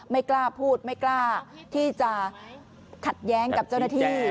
ไม่กล้าพูดไม่กล้าที่จะขัดแย้งกับเจ้าหน้าที่